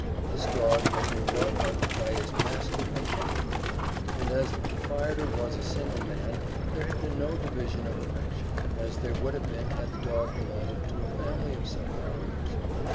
This dog had been brought up by its master from puppyhood, and as the proprietor was a single man, there had been no division of affection, as there would have been had the dog belonged to a family of several members.